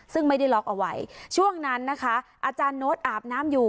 ซึ่งไม่ได้ล็อกเอาไว้ช่วงนั้นนะคะอาจารย์โน๊ตอาบน้ำอยู่